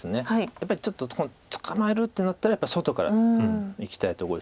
やっぱりちょっと捕まえるってなったら外からいきたいとこです。